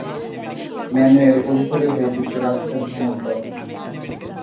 Manuel Adhikari হয়ে যুক্তরাষ্ট্রে ভ্রমণ করে।